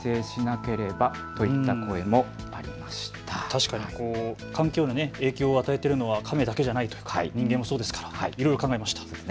確かに環境への影響を与えているのはカメだけじゃないと、人間もそうですからいろいろ考えました。